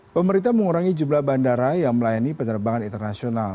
pemerintah mengurangi jumlah bandara yang melayani penerbangan internasional